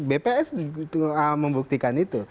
bps membuktikan itu